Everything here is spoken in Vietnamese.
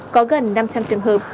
có gần năm trăm linh trường hợp